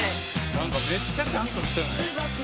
「なんかめっちゃちゃんとしてない？」